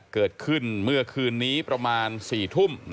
เกิดขึ้นเมื่อคืนนี้ประมาณ๔ทุ่ม